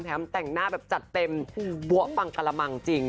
แต่งหน้าแบบจัดเต็มบัวปังกะละมังจริง